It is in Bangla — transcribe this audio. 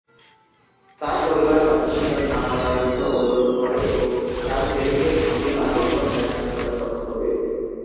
তার পরিবার তাকে স্বীকার না করার জন্য অনুরোধ করে এবং তার প্রেমিকের সঙ্গে আর কখনও দেখা না করার কথা বলে।